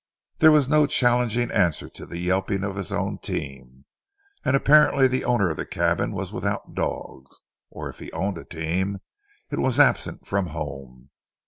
There was no challenging answer to the yelping of his own team, and apparently the owner of the cabin was without dogs, or if he owned a team it was absent from home.